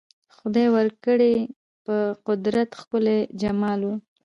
خدای ورکړی په قدرت ښکلی جمال وو